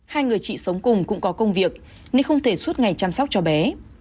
hai người chị sống cùng cũng có công việc nên không thể suốt ngày chăm sóc cho bé